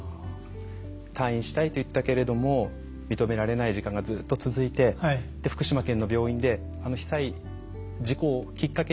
退院したいと言ったけれども認められない時間がずっと続いて福島県の病院で被災原発事故をきっかけに退院が。